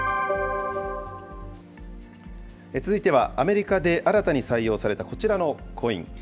続いてはアメリカで新たに採用されたこちらのコイン。